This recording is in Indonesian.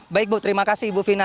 baik bu terima kasih ibu vina